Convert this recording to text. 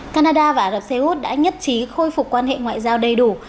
canada và ả rập xê út đã nhất trí khôi phục quan hệ ngoại giao đầy đủ